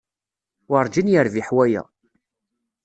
Werǧin yerbiḥ waya.